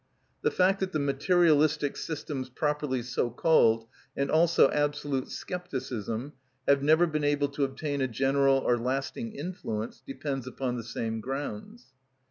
The fact that the materialistic systems, properly so called, and also absolute scepticism, have never been able to obtain a general or lasting influence, depends upon the same grounds.